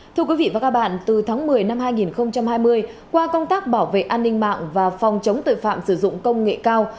thưa quý vị và các bạn từ tháng một mươi năm hai nghìn hai mươi qua công tác bảo vệ an ninh mạng và phòng chống tội phạm sử dụng công nghệ cao